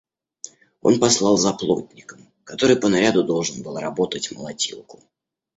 Он послал за плотником, который по наряду должен был работать молотилку.